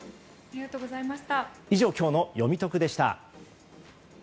以上、今日のよみトクでした。